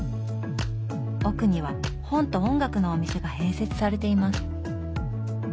奥には本と音楽のお店が併設されています。